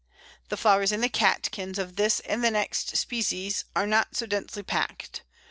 The flowers in the catkins of this and the next species are not so densely packed.